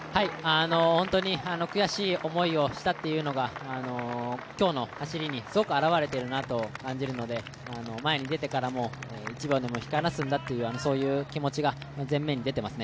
本当に悔しい思いをしたというのが今日の走りにすごく表れてているなと感じるので前に出てからも、引き離すんだとそういう気持ちが前面に出ていますね。